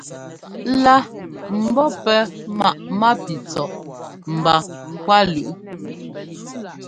Lá ḿbɔ́ pɛ́ maꞌ mápitsɔꞌ mba ŋkwálʉꞌ.